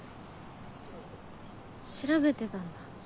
調べてたんだ。